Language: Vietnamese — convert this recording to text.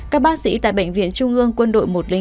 các bác sĩ tại bệnh viện trung ương quân đội một trăm linh một